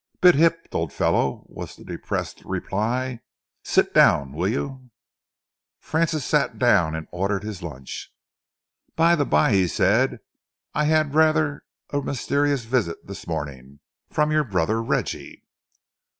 "Bit hipped, old fellow," was the depressed reply. "Sit down, will you?" Francis sat down and ordered his lunch. "By the bye," he said, "I had rather a mysterious visit this morning from your brother Reggie."